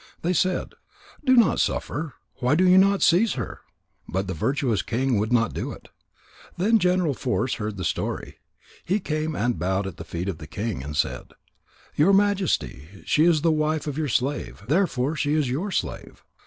They said: "Do not suffer. Why do you not seize her?" But the virtuous king would not do it. Then General Force heard the story. He came and bowed at the feet of the king and said: "Your Majesty, she is the wife of your slave, therefore she is your slave.